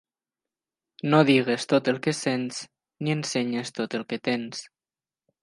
No diguis tot el que sents, ni ensenyis tot el que tens.